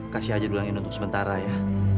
kasih aja dulu yang ini untuk sementara ya